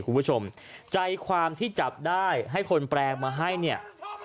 คุณผู้ชมใจความที่จับได้ให้คนแปลงมาให้เนี่ย